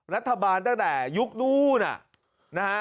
รัฐบาลตั้งแต่ยุคนู้นนะฮะ